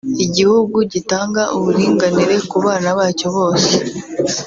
igihugu gitanga uburinganire ku bana bacyo bose